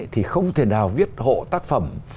thì không thể nào viết hộ tác phẩm